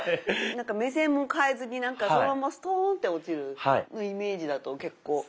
目線も変えずにそのままストーンって落ちるイメージだと結構。